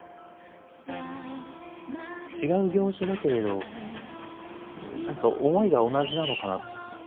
違う業種だけれど何か思いが同じなのかな。